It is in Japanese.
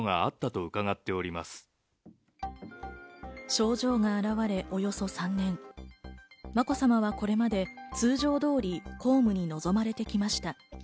症状が現れおよそ３年、まこさまはこれまで通常通り公務に臨まれてきました。